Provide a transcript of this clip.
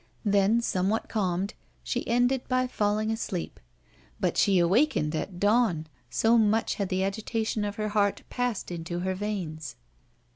Then, somewhat calmed, she ended by falling asleep. But she awakened at dawn, so much had the agitation of her heart passed into her veins.